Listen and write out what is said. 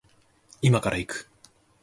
今から行く